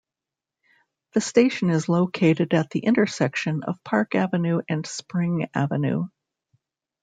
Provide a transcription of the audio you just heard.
The station is located at the intersection of Park Avenue and Spring Avenue.